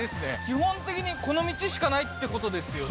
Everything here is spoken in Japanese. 基本的にこの道しかないってことですよね？